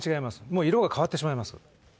もう、色が変わってしまいます。